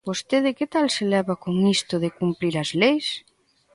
Vostede ¿que tal se leva con isto de cumprir as leis?